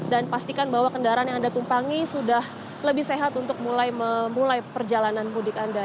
dan pastikan bahwa kendaraan yang anda tumpangi sudah lebih sehat untuk mulai perjalanan mudik anda